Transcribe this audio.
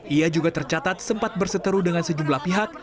ia juga tercatat sempat berseteru dengan sejumlah pihak